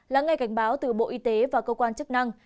là ngay cảnh báo từ bộ y tế và cơ quan chức năng